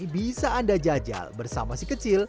bisa anda jajal bersama si kecil